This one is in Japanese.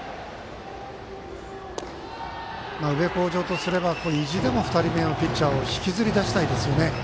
宇部鴻城とすれば意地でも２人目のピッチャーを引きずり出したいですよね。